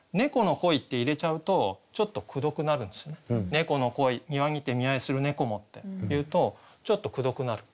「猫の恋庭にて見合ひする猫も」って言うとちょっとくどくなる。